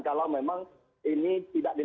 kalau memang ini tidak di